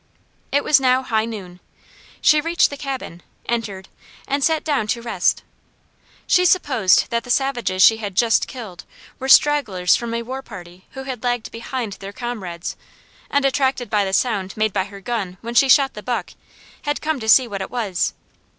It was now high noon. She reached the cabin, entered, and sat down to rest. She supposed that the savages she had just, killed were stragglers from a war party who had lagged behind their comrades, and attracted by the sound made by her gun when she shot the buck, had come to see what it was.